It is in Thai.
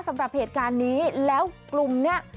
สำหรับเหตุการณ์นี้แล้วกลุ่มเนี่ย